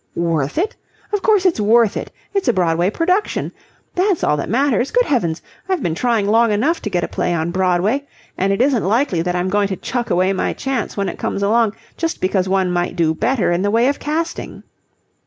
"Worth it? Of course it's worth it. It's a Broadway production. That's all that matters. Good heavens! I've been trying long enough to get a play on Broadway, and it isn't likely that I'm going to chuck away my chance when it comes along just because one might do better in the way of casting."